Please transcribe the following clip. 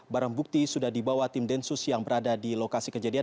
barang bukti sudah dibawa tim densus yang berada di lokasi kejadian